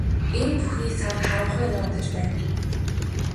Энэ бүхний цаана харанхуй нуугдаж байна.